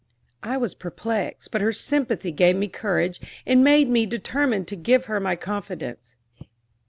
I was perplexed, but her sympathy gave me courage, and made me determined to give her my confidence.